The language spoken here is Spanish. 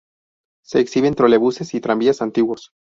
Se exhiben trolebuses y tranvías antiguos.